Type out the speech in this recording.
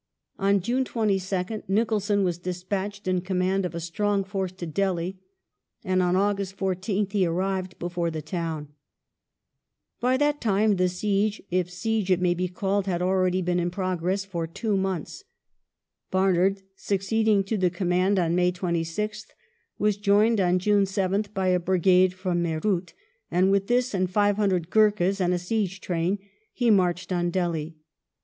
On June 22nd Nicholson was despatched in command of a strong force to Delhi, and on August 14th he arrived before the town. The Siege By that time the siege, if siege it may be called, had already of Delhi j^gjj jijj progress for two months. Barnard, succeeding to the command on May 26th, was joined on June 7th by a brigade from Meerut, and with this, and 500 Gurkhas and a siege train, he marched on Delhi.